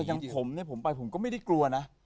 อย่างผมเนี่ยผมไปผมก็ไม่ได้กลัวนะ